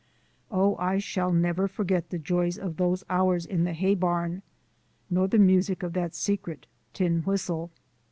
Oh, I shall never forget the joys of those hours in the hay barn, nor the music of that secret tin whistle!